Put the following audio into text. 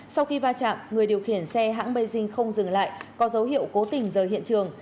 sau khi va chạm người điều khiển xe hãng baying không dừng lại có dấu hiệu cố tình rời hiện trường